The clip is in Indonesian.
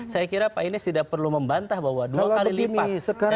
saya kira pak anies tidak perlu membantah bahwa dua kali lipat